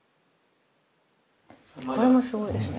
これもすごいですね。